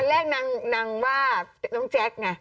คือตอนแรกนางว่าน้องแจ๊คไง